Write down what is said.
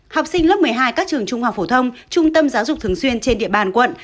học sinh lớp một mươi hai các trường trung học phổ thông trung tâm giáo dục thường xuyên trên địa bàn quận